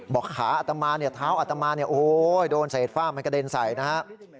บอกขาอัตมาเนี่ยเท้าอัตมาเนี่ยโอ้โหโดนเศษฝ้ามันกระเด็นใส่นะฮะ